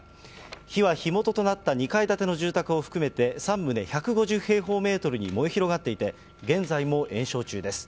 火は、火元となった２階建ての住宅を含めて、３棟１５０平方メートルに燃え広がっていて、現在も延焼中です。